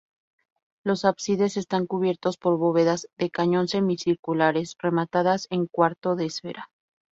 Los ábsides están cubiertos por bóvedas de cañón semicirculares rematadas en cuarto de esfera.